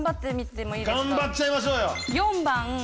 頑張っちゃいましょうよ。